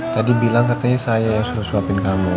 tadi bilang katanya saya yang suruh suapin kamu